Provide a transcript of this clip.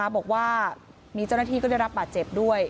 บอกว่ามีเจ้าหน้าที่ได้รับบัดเจ็บ